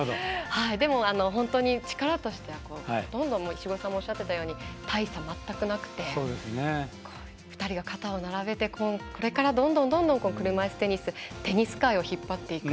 でも、本当に力としては石黒さんもおっしゃっていたように大差は全くなくて２人が肩を並べてこれからどんどん車いすテニス界を引っ張っていく。